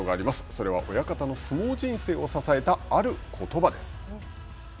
それは親方の相撲人生を支えたあることばです。